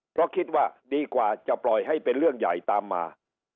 เพราะคิดว่าดีกว่าจะปล่อยให้เป็นเรื่องใหญ่ตามมา